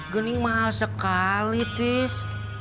gening mahal sekali tis